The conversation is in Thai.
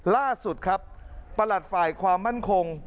ล่าสุดครับประหลัดฝ่ายความมั่นคง